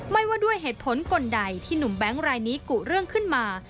ว่าด้วยเหตุผลกลใดที่หนุ่มแบงค์รายนี้กุเรื่องขึ้นมา